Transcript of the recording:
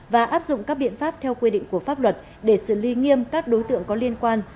và áp dụng các biện pháp theo quy định của pháp luật để xử lý nghiêm các đối tượng có liên quan